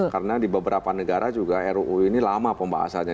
karena di beberapa negara juga ruu ini lama pembahasannya